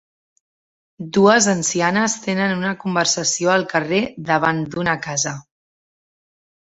Dues ancianes tenen una conversació al carrer davant d'una casa